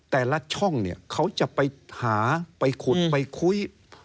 แต่ละช่องเนี่ยเขาจะไปหาไปขุดไปคุย